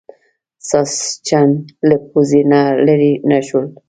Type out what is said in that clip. ساسچن له پوزې نه لرې نه شول.